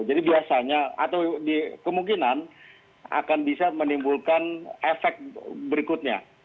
jadi biasanya atau di kemungkinan akan bisa menimbulkan efek berikutnya